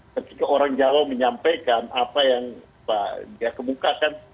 ketika orang jawa menyampaikan apa yang dia kemukakan